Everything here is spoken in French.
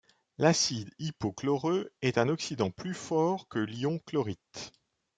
L'acide hypochloreux est un oxydant plus fort que l'ion chlorite.